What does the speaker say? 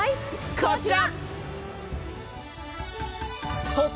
こちら！